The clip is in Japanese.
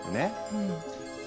うん。